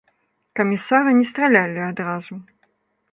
Камісара не стралялі адразу.